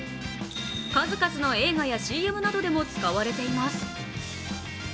数々の映画やＣＭなどでも使われています。